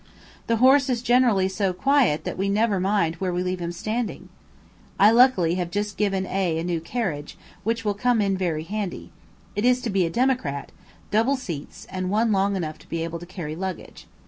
The horse is generally so quiet that we never mind where we leave him standing. I luckily have just given A a new carriage, which will come in very handy. It is to be a "democrat," double seats, and one long enough to be able to carry luggage.